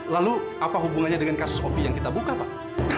lalu apa hubungannya dengan kasus kopi yang kita buka pak